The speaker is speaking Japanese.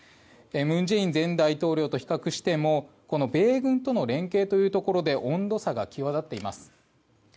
文在寅前大統領と比較しても米軍との連携というところで温度差が際立っています。